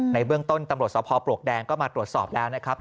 ในเบื้องต้นตำรวจสภปลวกแดงก็มาตรวจสอบแล้วนะครับ